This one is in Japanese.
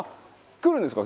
来るんですか？